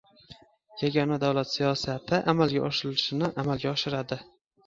yagona davlat siyosati amalga oshirilishini amalga oshiradi;